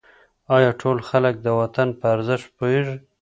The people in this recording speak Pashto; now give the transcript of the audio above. آیا ټول خلک د وطن په ارزښت پوهېږي؟